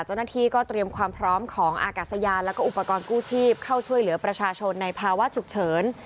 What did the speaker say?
เจ้าหน้าที่ก็เตรียมความพร้อมของอากาศยานแล้วก็อุปกรณ์กู้ชีพเข้าช่วยเหลือประชาชนในภาวะฉุกเฉิน